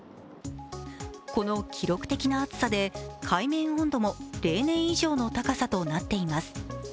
この記録的な暑さで海面温度も例年以上の高さとなっています。